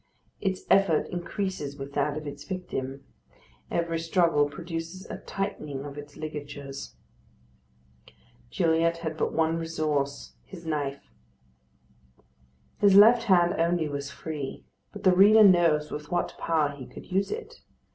Its effort increases with that of its victim; every struggle produces a tightening of its ligatures. Gilliatt had but one resource, his knife. His left hand only was free; but the reader knows with what power he could use it.